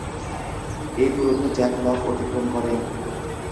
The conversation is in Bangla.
এই দূরত্ব জ্যাক লক অতিক্রম করে।